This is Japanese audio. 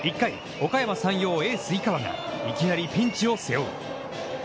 おかやま山陽、エース井川がいきなりピンチを背負う。